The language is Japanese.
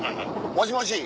もしもし。